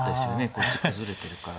こっち崩れてるから。